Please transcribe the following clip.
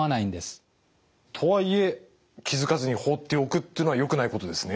とはいえ気付かずに放っておくというのはよくないことですね。